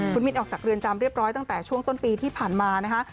คุณมิตรออกจากเรือนจำเรียบร้อยตั้งแต่ช่วงต้นปีที่ผ่านมานะคะ